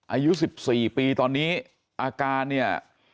อายุ๑๔ปีตอนนี้อาการเนี่ย